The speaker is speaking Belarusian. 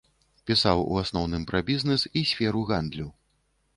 Пісаў у асноўным пра бізнэс і сферу гандлю.